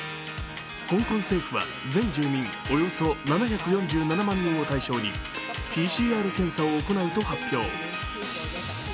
香港政府は全住民およそ７４７万人を対象にＰＣＲ検査を行うと発表。